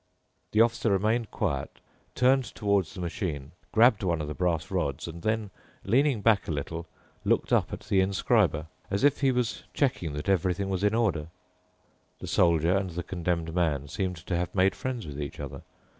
The Officer remained quiet, turned toward the machine, grabbed one of the brass rods, and then, leaning back a little, looked up at the inscriber, as if he was checking that everything was in order. The Soldier and the Condemned Man seemed to have made friends with each other.